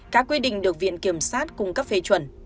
các quy định được viện kiểm sát cung cấp phê chuẩn